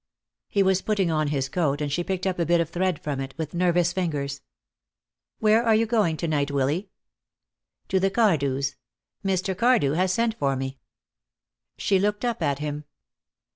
He was putting on his coat, and she picked a bit of thread from it, with nervous fingers. "Where are you going to night, Willy?" "To the Cardews. Mr. Cardew has sent for me." She looked up at him.